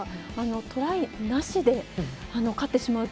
トライなしで勝ってしまうって。